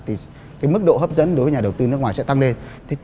thì mức độ hấp dẫn đối với nhà đầu tư nước ngoài sẽ tăng lên